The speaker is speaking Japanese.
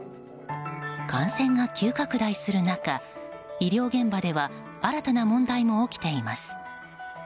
感染が急拡大する中医療現場では新たな問題も起きています。